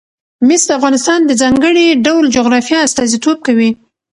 مس د افغانستان د ځانګړي ډول جغرافیه استازیتوب کوي.